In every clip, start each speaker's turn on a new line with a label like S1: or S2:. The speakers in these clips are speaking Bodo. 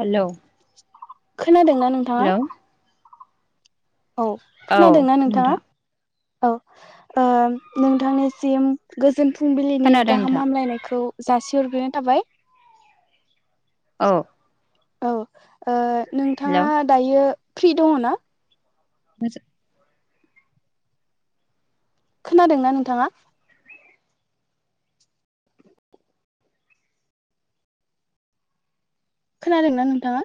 S1: हेलौ
S2: खोनादोंना नों
S1: हेलों
S2: औ
S1: औ
S2: खोनादोंना नोंथाङा?
S1: नोंथां
S2: औ ओ नोंथांनिसिम गोजोन फुंबिलिनि
S1: खोनादों
S2: गाहाम
S1: नोंथां
S2: हामलायनायखौ जासिहरग्रोनाय थाबाय।
S1: औ
S2: औ
S1: हेलौ
S2: नोंथाङा दायो फ्रि दङ ना?
S1: मोनसे
S2: खोनादों ना नोंथाङा? खोनादों ना नोंथाङा?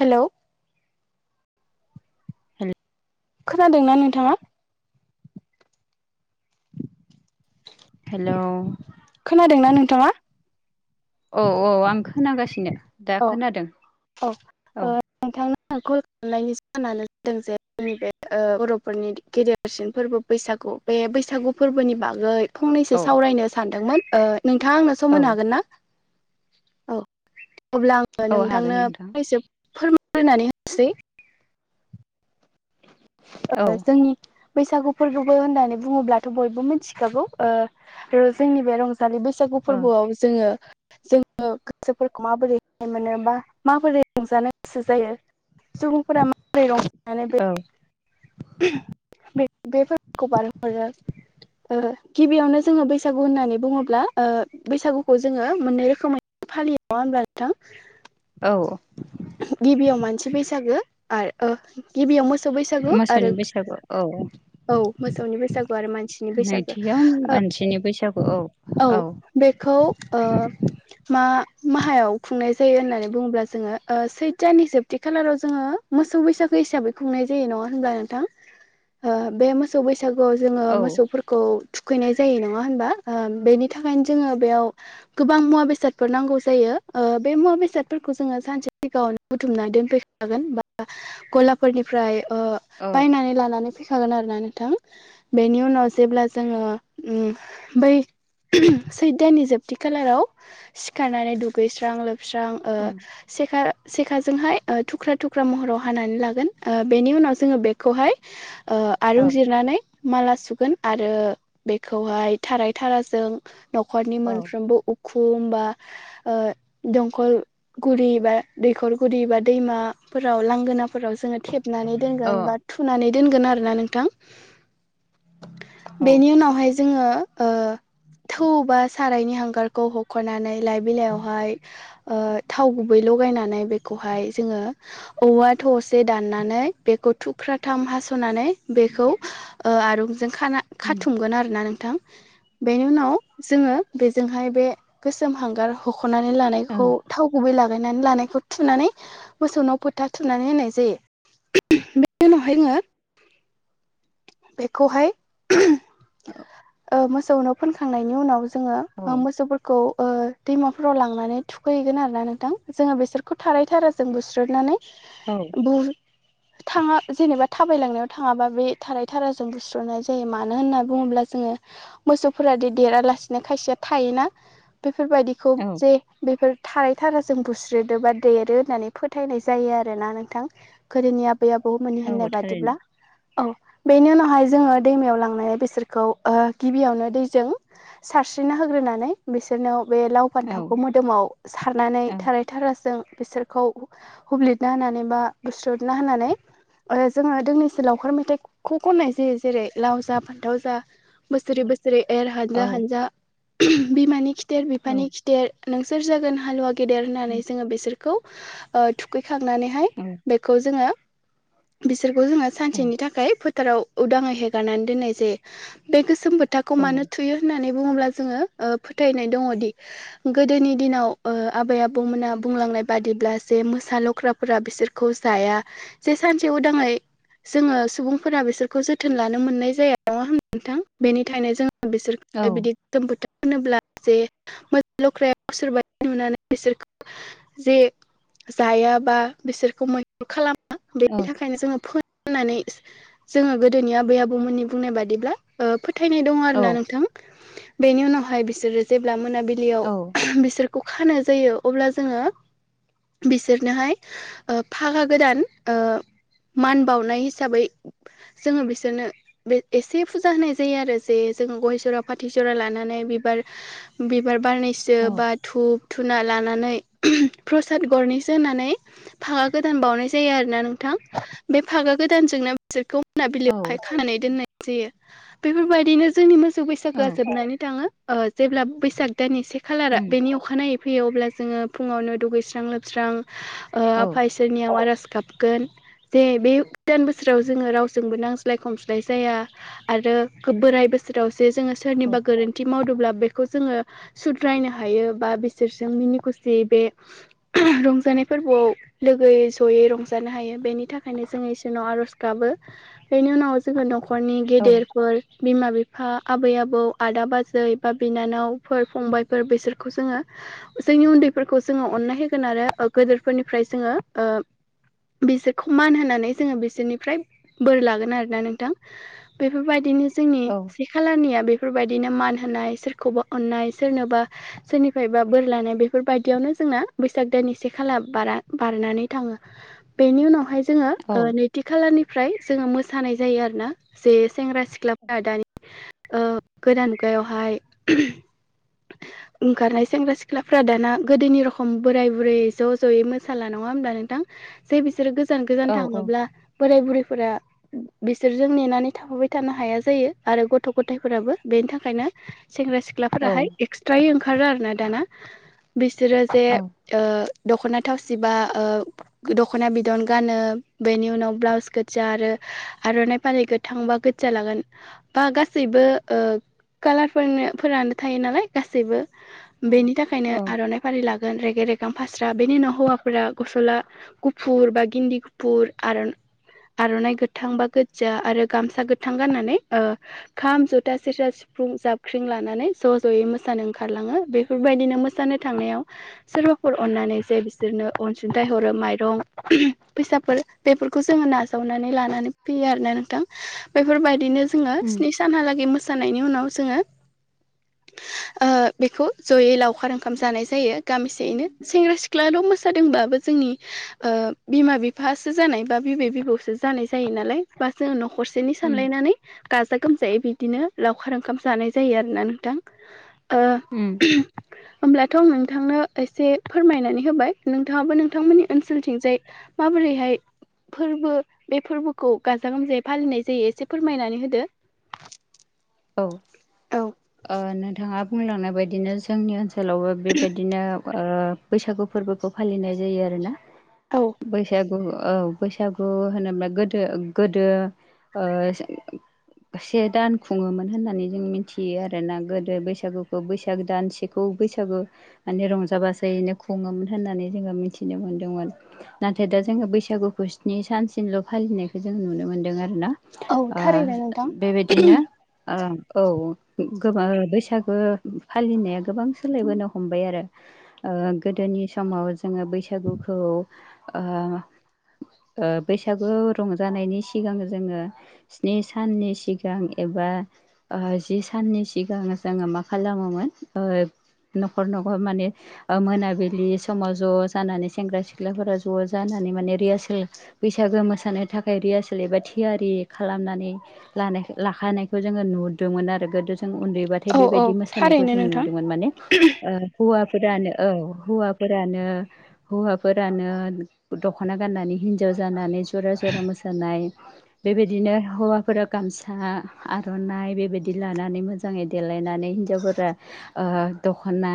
S2: हेलौ
S1: हेल
S2: खोनादों ना नोंथाङा?
S1: हेलौ
S2: खोनादोंना नोंथाङा?
S1: औ औ आं खोनागासिनो। दा
S2: अ
S1: खोनादों
S2: अ ओ
S1: औ
S2: नोंथांनो आ कल खालामनायनि जाहोनानो जादों जे जोंनि बे बर'फोरनि गेदेर सिन फोरबो बैसागु बे बैसागु फोरबोनि बागै फंनैसो
S1: औ
S2: सावरायनो सानदोंमोन। नोंथाङा आंनो सम
S1: औ
S2: होनो हागोन ना? औ अब्ला आङो
S1: औ
S2: नोंथांनो
S1: हागोन नोंथां
S2: फंनैसो फोरमायग्रोनानै होनोसै।
S1: औ
S2: ओ जोंनि बैसागु फोरबोबो होननानै बुङोब्लाथ' बयबो मिथिखागौ ओ जोंनि बे रं जालि बैसागु
S1: औ
S2: फोरबोआव जोङो जोङो गोसोफोरखौ माबोरै गोजोनाय मोनो बा माबोरै रंजानो गोसो जायो। सुबुंफोरा माबोरै रंजानो
S1: औ
S2: बे बे फोरबोखौ बारहो हरो। गिबियावनो जोङो बैसागु होननानै बुङोब्ला बैसागुखौ जोङो मोननै रोखोमै फालियो नङा होनब्ला नोंथां?
S1: औ
S2: गिबियाव मानसि बैसागो आर गिबियाव मोसौ बैसागु
S1: मोसौनि
S2: आरो
S1: बैसागु औ
S2: औ मोसौनि बैसागु आरो मानसिनि बैसागु
S1: नैथियाव मानसिनि बैसागु औ
S2: औ। बेखौ मा माहायाव खुंनाय जायो होननानै बुङोब्ला जोङो। सैतथनि जोबथि खालाराव जोङो मोसौ बैसागो हिसाबै खुंनाय जायो नङा होनब्ला नोंथां? बे मोसौ बैसागुआव जोङो
S1: औ
S2: मोसौफोरखौ खौ थुखैनाय जायो नङा होनबा? बेनि थाखायनो जोङो बेयाव गोबां मुवा बेसादफोर नांगौ जायो बे मुवा बेसादफोरखौ जोङो सानसे सिगाङावनो बुथुमना दोनफैखागोन बा गलाफोरनिफ्राय ओ
S1: औ
S2: बायनानै लानानै फैखागोन आरोना नोंथां। बेनि उनाव जेब्ला जोङो उम बै सैदनि जोबथि खालाराव सिखारनानै दुगैस्रां लोबस्रां ओ
S1: उम
S2: खा सेखाजोंहाय थुख्रा थुख्रा महराव हानानै लागोन बेनि उनाव जोङो बेखौहाय
S1: औ
S2: आरं जिरनानै माला सुगोन आरो बेखौहाय थाराय थाराजों न'खरनि
S1: औ
S2: मोनफ्रोमबो उखु बा ओ दंखल गुरि बा दैखर गुरि बा दैमाफोराव लांगोनाफोराव जोङो थेबनानै
S1: औ
S2: दोनगोन बा थुनानै दोनगोन आरोना नोंथां।
S1: औ
S2: बेनि उनावहाय जोङो ओ थौ बा सारायनि हांगारखौ हख'नानै लाइ बिलाइयावहाय ओ थाव गुबै लगायनानै बेखौहाय जोङो औवा थसे दाननानै बेखौ थुख्राथाम हास'नानै बेखौ ओ आरुंजों
S1: उम
S2: खाथुमगोन आरोना नोंथां। बेनि उनाव जोङो बेजोंहाय बे गोसोम हांगार हख'नानै
S1: औ
S2: लानायखौ थाव गुबै लागायनानै लानायखौ थुनानै मोसौ नाव फोथा थुनानै होनाय जायो। [unintelligible] बेनि उनावहाय जोङो बेखौहाय
S1: [unintelligible]
S2: ओ मोसौनो फोनखांनायनि उनाव
S1: औ
S2: जोङो मोसौफोरखौ खौ ओ दैमाफोराव लांनानै थुखैहैगोन आरो ना नोंथां, जोङो बेसोरखौ थारै थाराजों जों बुस्रुनानै
S1: औ।
S2: [unintelligible] थाङा जेनेबा थाबायलांनायाव थाङाबा बे थाराइ थाराजों बुस्र'नाय जायो मानो होनना बुङोब्ला? जोङो मोसौफोरादि देरालासिनो खायसेया थायोना बेफोरबायदिखौ जे
S1: औ
S2: बेफोर थारै थाराजों बुस्रोदो बा देरो होननानै फोथायनाय जायो आरोना नोंथां। [unintelligible] आबै आबौमोननि होननाय
S1: औ थारैनो
S2: बादिब्ला औ बेनि उनावहाय जोङो दैमायाव लांनाया बिसोर खौ गिबियावनो दैजों सारस्रिनो होग्रोनानै बिसोरनाव बे लाव
S1: औ
S2: फानथावखौ मोदोमाव सारनानै
S1: औ
S2: थाराय थाराजों बिसोरखौ हुब्लिरना होनानै बा बुस्रुदना होनानै। ओ जोङो दोंनैसो लावखार मेथाइखौ खननाय जायो जेरै लाव जा फान्थाव जा। बोसोरै बोसोरै एर हानजा
S1: औ
S2: हानजा बिमानि खिथेर
S1: औ
S2: बिफानि देर नोंसोर जागोन हालुवा गेदेर होननानै जोङो बिसोरखौ ओ थुखैखांनानैहाय
S1: औ
S2: बेखौ जोङो बिसोरखौ जोङो
S1: औ
S2: सानसेनि थाखाय फोथाराव उदाङै हेगारनानै दोननाय जायो। बे गोसोम बोथाखौ
S1: औ
S2: मानो थुयो होननानै बुङोब्ला जोङो फोथायनाय दङदि गोदोनि दिनाव ओ आबै आबौमोना बुंलांनाय बादिब्ला जे मोसा लख्राफोरा बिसोर खौ जाया जे सानसे उदाङै जोङो सुबुंफोरा बिसोरखौ जोथोन लानो मोननाय जाया। नङा [unintelligible] नोंथां बेनि थायनो जों बिसोर [unintelligible]
S1: औ
S2: बिदि [unintelligible] जे जायाबा बिसोरखौ मोन खालामो बेनि
S1: औ
S2: थाखायनो जोङो फोननानै जोङो गोदोनि आबै आबौमोननि बुंनाय बादिब्ला ओ फोथायनाय दङ
S1: औ
S2: आरोना नोंथां। बेनि उनावहाय बिसोर जेब्ला मोनाबिलियाव
S1: औ
S2: [unintelligible] बिसोरखौ खाना जायो अब्ला जोङो बिसोरनोहाय ओ फागा गोदान ओ मान बावनाय हिसाबै जोङो बिसोरनो बे एसे फुजा होनाय जायो आरो जे जों गय जरा फाथै जरा लानानै बिबार बिबार बारनैसो
S1: औ
S2: बाद धुुब धुना लानानै प्रसाद गरनैसो होनानै। फागा गोदान बावनाय जायो आरोना नोंथां। बे फागा गोदानजोंनो बिसोरखौ
S1: औ
S2: मोनाबिलियावहाय खानानै दोननाय जायो। बेफोरबायदिनो जोंनि बैसागोआ
S1: औ
S2: जोबनानै थाङो ओ जेब्ला बैसाग दाननि से खालारा
S1: उम
S2: बेनि अखानायै फैयो अब्ला जोङो फुङावनो दुगैस्रां लोबस्रां
S1: औ
S2: आफा नियाव आरज गाबगोन जे बे गोदान बोसोराव जोङो रावजोंबो नांज्लाय खम जाया आरो बोराय बोसोरावसो जोङो
S1: औ
S2: सोरनिबा गोरोन्थि मावदोंब्ला बेखौ जोङो सुद्रायनो हायो बा बिसोरजों मिनि खुसियै बे रंजानाय फोरबोआव लोगोयै जयै रंजानो हायो बेनि थाखायनो जोंङ इसोरनाव आर'ज गाबो। बेनि उनाव जोङो न'खरनि
S1: औ
S2: गेदेरफोर बिमा बिफा आबै आबौ आदा बाजै बा बिनानावफोर फंबायफोर बिसोरखौ जोङो जोंनि उन्दैफोरखौ जोङो अन्नाय होगोन आरो गोदोरफोरनिफ्राय जोङो बिसोरखौ मान होनानै जोङो बिसोरनिफ्राय बोर लागोन आरोना नों थां बेफोरबायदिनो जोंनि
S1: औ
S2: सि खालानिया बेफोरबायदिनो मान होनाय सोरखौबा अननाय सोरनोबा सोरनिफायबा बोर लानाय बेफोरबायायदियावनो जोंना बैसाग दाननि से खाला बारा बारनानै थाङो बेनि उनावहाय जोङो ओ नै थि खालारनिफ्राय जोङो मोसानाय जायो आरो ना जे सेंग्रा सिख्लाफोरा दानि ओ गोदान मुगायावहाय [unintelligible] ओंखारनाय सेंग्रा सिख्लाफ्रा दाना गोदोनि रखम बोराय बुरैै ज' ज'यै मोसाला नङा होमब्ला नोंथां जै बिसोरो गोजान गोजान
S1: औ
S2: थाङोब्ला बोराय बुरैफोरा बिसोरजों नेनानै थाफाबाय थानो हाया जायो आरो गथ' गथायाइफोराबो बेनि थाखायनो सेंग्रा सिख ख्लाफोराहाय एक्सट्रायै ओंखारो आरो ना दाना बिसोरो जे
S1: औ
S2: ओ दख'ना थावसि बा ओ दख'ना बिदन गानो बेनि उनाव ब्लाउस गोज्जा आरो आर'नाइ फालि गोथां बा गोज्जा लागोन बा गासैबो ओ कालारफोरनो फोरानो थायो नालाय गासैबो
S1: औ
S2: बेनि थाखायनो
S1: औ
S2: आर'नाइ फारि ला गोन रेगे रेगां फास्रा बेनि उनाव हौवाफोरा गस'ला गुफुर बा गिन्दि गुफुर आर आर'नाइ गोथां बा गोज्जा आरो गामसा गोथां गाननानै ओ खाम ज'था सेरजा सिफ फुं जाबख्रिं लानानै ज' ज'यै मोसानो ओंखारलाङो बेफोरबायदिनो मोसानो थांनायाव सोरबाफोर अननानै जे बिसोरनो अनसुंथाइ हरो माइरं [unintelligible] फैसाफोर बेफोरखौ जोङो नाजावनानै लानानै फैयो आरोना नोंथां बेफोरबायदिनो जोङो
S1: उम
S2: स्नि सा सानहालागे मोसानायनि उनाव जोङो ओ बेखौ जयै लावखार ओंखाम जानाय जायो गामिसेयैनो सेंग्रा सिख्लाल' मोसादोंबाबो जोंनि ओ बिमा बिफासो जानाय बा बिबै बिबौसो जानाय जो जायो नालाय बा जोङो न'खरसेनि
S1: उम
S2: सानलायनानै गाजा गोमजायै बिब्दिनो लावखार ओंखाम जानाय जायो आरोना नोंथां ओ
S1: उम
S2: [inaudible] होमब्लाथ' नोंथांनो एसे फोरमायनानै होबाय नोंथांङाबो नोंथांमोननि ओनसोलथिंजाय माबोरैहाय फोरबो बे फोरबोखौ गाजा गोमजायै फालिनाय जायो एसे फोरमायनानै होदो।
S1: औ
S2: औ
S1: ओ नोंथाङा बुंलांनाय बायदिनो जोंनि ओनसोलावबो बेबायदिनो ओ बैसागु फोरबोखौ फालिनाय जायो आरोना
S2: औ
S1: बैसागु औ। बैसागु होनोब्ला गोदो-गोदो ओ से दान खुङोमोन होननानै जों मिथियो आरोना गोदो बैसागोखौ बैसागो दानसेखौ बैसागो माने रंजा बाजायैनो खुङोमोन होननानै जोङो मिथिनो मोन्दोंमोन नाथाय दा जोङो बैसागु खौ स्नि सानसिमल' फालिनायखौ जों नुनो मोन्दों आरो ना
S2: औ
S1: आ
S2: थारैनो नोंथां
S1: बेबिदिनो आ औ गोबां बैसागो फालिनाया गोबां सोलायबोनो हमबाय आरो ओ गोदोनि समाव जोङो बैसागुखौ ओ ओ बैसागु रंजानायनि सिगां जोङो स्नि साननि सिगां एबा आ जि साननि सिगां जोङो मा खालामोमोन ओ न'खर - न'खर माने ओ मोनाबिलि समाव ज' जानानै सेंग्रा सिख्लाफोरा ज' जानानै माने रिहासोल बैसागो मोसानो थाखाय रियासल एबा थियारि खालामनानै लानायखो लाखानाय जोङो नुदोंमोन आरो गोदो जों उन्दैबाथाय
S2: औ औ
S1: बेबायदि मोसानायखौ
S2: थारैनो
S1: जोंङो
S2: नोंथां
S1: नुदोंमोन माने ओ हौवाफोरानो औ हौवाफोरानो हौवाफोरानो दख'ना गाननानै हिनजाव जानानै जरा-जरा मोसानाय बेबायदिनो हौवाफोरा गामसा आर'नाइ बेबायदि लानानै मोजाङै देलायनानै हिन्जावफोरा ओ दखना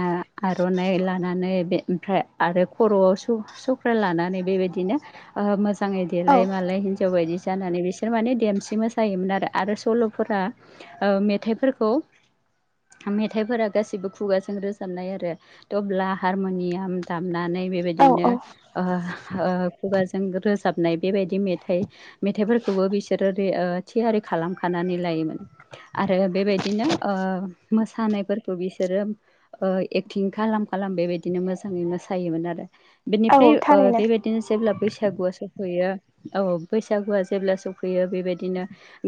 S1: आर'नाइ लानानै बे ओमफ्राय आरो खर'आव सु - सु फोर लानानै बेबायदिनो ओ मोजाङै
S2: औ
S1: देलाय मालाय हिनजाव बायदि जानानै बिसोर माने देमसि मोसायोमोन आरो सल' फोरा ओ मेथाइफोरखौ मेथाइफोरा गासिबो खुगाजों रोजाबनाय आरो टब्ला हारमुनियाम दामनानै
S2: औ
S1: बेबायदिनो
S2: औ
S1: ओ- ओ खुगाजों रोजाबनाय बेबायदि मेथाइ मेथाइफोरखोबो बिसोरो रे ओ थियारि खालामखानानै लायोमोन आरो बेबायदिनो ओ मोसानाय फोर बिसोरो ओ एक्टिं खालाम-खालाम बेबायदिनो मोजाङै मोसायोमोन आरो।
S2: औ
S1: बेनिफ्राय ओ
S2: थारैनो
S1: बेबायदि दिनो जेब्ला बैसागुआ स'फैयो औ बैसागुआ जेब्ला स'फैयो बेबायदिनो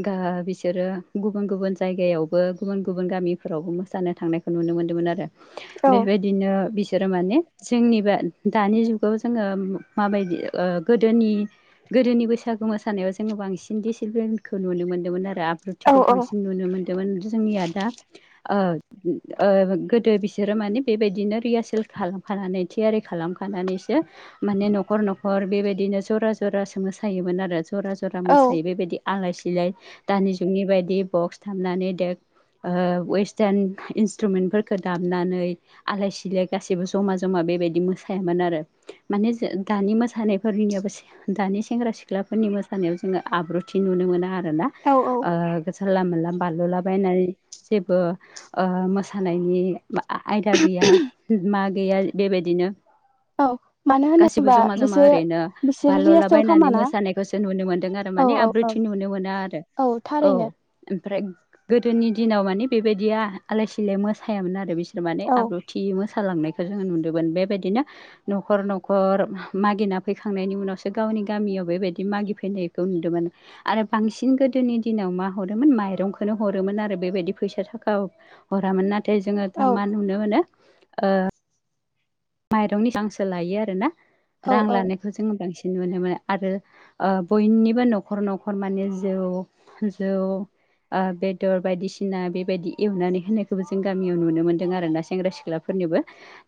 S1: गा बिस बिसोरो गुबुन-गुबुन जायगायावबो गुबुन-गुबुन गामिफोरावबो मोसानो थांनायखौ नुनो मोन्दोंमोन आरो।
S2: औ
S1: बेबायदिनो बिसोरो माने जोंनिबा दानि जुगाव जोङो माबायदि ओ गोदोनि गोदोनि बैसागो मोसानायाव जोङो बांसिन दिसिफ्लेनखौ नुनो मोन्दोंमोन आरो आब
S2: औ
S1: ब्रुथिखौ बांसिन नुनो मोन्दोंमोन जोंनिया दा ओ ओ गोदो बिसोरो माने बेबायदिनो रिहासोल खालामखानानै थियारि खालामखानानैसो माने न'खर-न'खर बेबायदिनो जरा -जरा सो मोसायोमोन आरो। जरा -जरा
S2: औ
S1: मोसायो। बेबायदि आलाय सिलाय दानि जुगनि बायदि ब'क्स दामनानै देक वेस्टारन इन्सट्रुमेन्टफोरफोरखो दामनानै आलाय सिलाय गासैबो जमा-जमा बेबायदि मोसायामोन आरो। माने जो दानि मोसानायफोरनियाबो से दानि सेंग्रा सिख्लाफोरनि मोसानायाव जोङो आब्रुथि नुनो मोना आरोना।
S2: औ औ
S1: ओ [unintelligible] जाला माला बाललाबायनानै जेबो ओ मोसानायनि मा आं आयदा गैया मा गैया बेबायदिनो
S2: औ मानो
S1: गासिबो
S2: होनोबा
S1: जमा जमा
S2: बिसोर
S1: ओरैनो
S2: बिसोरो रिहार्सेल
S1: बाललुलाबायायनानै
S2: खालामाना
S1: मोसानायखौ जे नुनो मोन्दों आरो
S2: औ
S1: माने
S2: औ औ
S1: आब्रुथि नुनो मोना आरो औ ओमफ्राय गोदोनि दिनाव माने बेबायदिया आलाय सिलाय मोसायामोन आरो बिसोर। माने
S2: औ
S1: आब्रुथि मोसालांनायखौ जोङो नुदोंमोन बेबायदिनो। न'खर न'खर मागिना फैखांनायनि उनावसो गावनि गामियाव बेबायदि मागिफैनायखौ नुदोंमोन। आरो बांसिन गोदोनि दिनाव मा हरोमोन माइरंखौनो हरोमोन आरो बेबायदि फैसा थाखा हरामोन नाथाय जोङो दा
S2: औ
S1: मा नुनो मोनो ओ माइरंनि रांसो लायो आरोना रां
S2: औ
S1: लानायखौ जोङो बांसिन नुनो मोन आरो ओ बयनिबो न'खर -न'खर माने जौ - जौ ओ बेदर बायदिसिना बेबायदि एवनानै होनायखौबो जों गामियाव नुनो मोन्दों आरोना सेंग्रा सिख्लाफोरनोबो।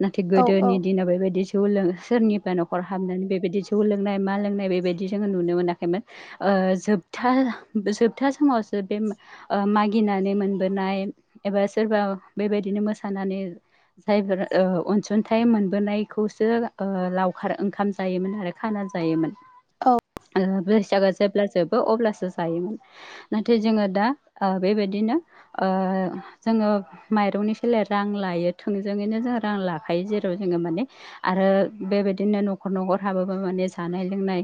S1: नाथाय
S2: औ औ
S1: गोदोनि दिना बेबायदि जौ लों सोरनिबा न'खर हाबनानै बेबायदि जौ लोंनाय मा लोंनाय बेबायदि जोङो नुनो मोनाखैमोन। ओ जोबथा-जोबथा समावसो बे मा ओ मागिनानै मोनबोनाय एबा सोरबा बेबायदिनो मोसानानै जायफोर ओ अनसुं सुनथाइ मोनबोनायखौसो ओ लावखार ओंखाम जायोमोन आरो खाना जायोमोन।
S2: औ
S1: ओ बैसागो जेब्ला जोबो अब्लासो जायोमोन नाथाय जोङो दा बेबायदिनो। जोङो माइरंनि सोलाय रां लायो थोंजोङैनो जों रां लाख हखायो जेराव जोङो माने आरो बेबायदिनो न'खर न'खर हाबाबो माने जानाय लोंनाय